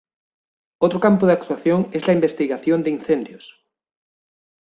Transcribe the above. Otro campo de actuación es la investigación de incendios.